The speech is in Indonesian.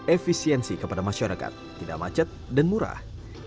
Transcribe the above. efisiensi kepada masyarakat tidak macet dan murah